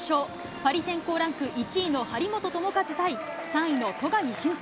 パリ選考ランク１位の張本智和対３位の戸上隼輔。